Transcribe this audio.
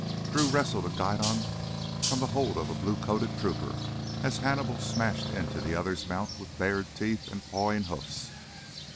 Drew wrested a guidon from the hold of a blue coated trooper as Hannibal smashed into the other's mount with bared teeth and pawing hoofs.